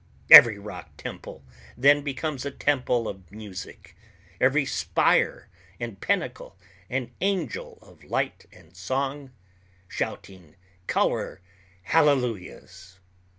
Every rock temple then becomes a temple of music; every spire and pinnacle an angel of light and song, shouting color hallelujahs.